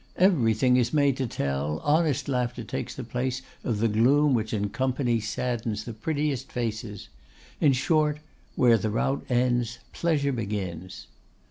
Everything is made to tell, honest laughter takes the place of the gloom which in company saddens the prettiest faces. In short, where the rout ends pleasure begins.